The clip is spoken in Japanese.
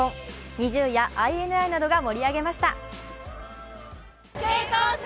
ＮｉｚｉＵやＩＮＩなどが盛り上げました。